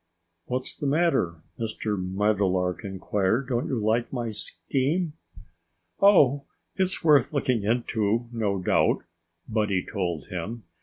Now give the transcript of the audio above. "What's the matter?" Mr. Meadowlark inquired. "Don't you like my scheme?" "Oh! It's worth looking into, no doubt," Buddy told him.